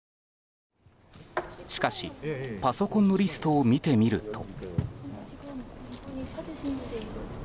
しかし、パソコンのリストを見てみると。